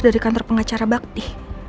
dari kantor pengacara bakti